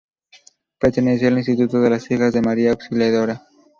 Pertenecía al Instituto de las Hijas de María Auxiliadora.